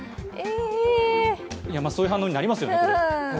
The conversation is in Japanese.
そういう反応になりますよね。